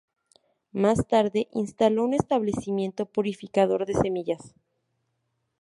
Más Tarde instalo un establecimiento purificador de semillas.